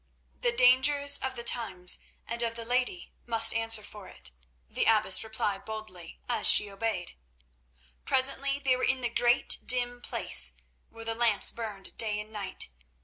"The dangers of the times and of the lady must answer for it," the abbess replied boldly, as she obeyed. Presently they were in the great, dim place, where the lamps burned day and night.